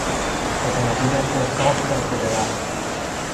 اتومبیلش را صاف زد به درخت.